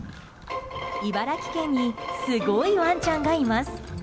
茨城県にすごいワンちゃんがいます。